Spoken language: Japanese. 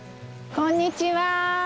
こんにちは。